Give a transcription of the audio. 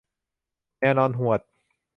แมวนอนหวด